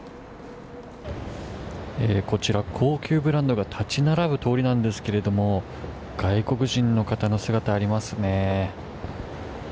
こちら、高級ブランドが立ち並ぶ通りなんですが外国人の方の姿がありますね。